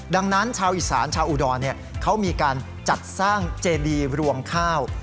ดังนั้นชาวอีสานชาวอุดรเขามีการจัดสร้างเจดีรวงข้าว